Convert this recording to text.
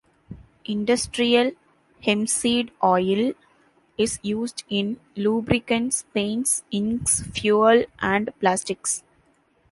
Industrial hempseed oil is used in lubricants, paints, inks, fuel, and plastics.